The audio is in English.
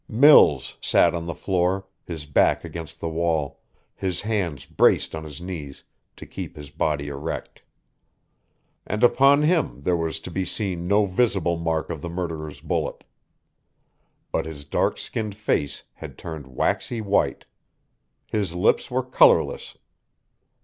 Mills sat on the floor, his back against the wall, his hands braced on his knees to keep his body erect. And upon him there was to be seen no visible mark of the murderer's bullet. But his dark skinned face had turned waxy white. His lips were colorless.